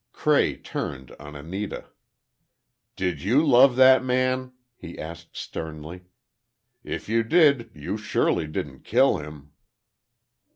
Cray turned on Anita. "Did you love that man?" he asked, sternly. "If you did, you surely didn't kill him."